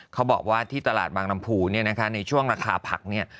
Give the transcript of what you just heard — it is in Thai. เขาบอกว่าที่ตลาดบางลำพูเนี่ยนะคะในช่วงราคาผักเนี่ย